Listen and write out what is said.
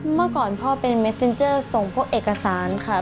เมื่อก่อนพ่อเป็นเม็ดเซ็นเจอร์ส่งพวกเอกสารค่ะ